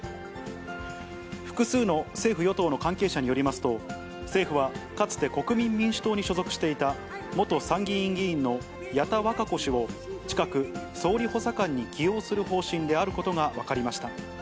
複数の政府・与党の関係者によりますと、政府はかつて国民民主党に所属していた、元参議院議員の矢田稚子氏を、近く、総理補佐官に起用する方針であることが分かりました。